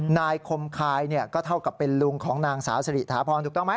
นายคมคายก็เท่ากับเป็นลุงของนางสาวสิริถาพรถูกต้องไหม